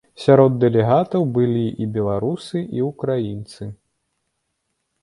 Сярод дэлегатаў былі і беларусы, і ўкраінцы.